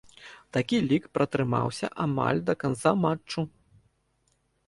Такі лік пратрымаўся амаль да канца матчу.